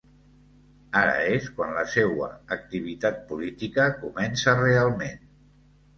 Ara és quan la seua activitat política comença realment.